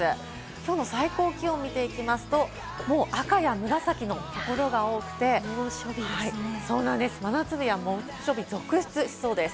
きょうの最高気温を見てみますと、もう赤や紫の色が多くて、真夏日、猛暑日、続出しそうです。